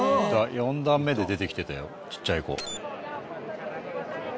４段目で出てきてたよちっちゃい子。